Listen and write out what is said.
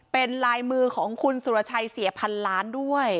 เป็นลายมือของคุณสุรชัยเสียพันล้านด้วย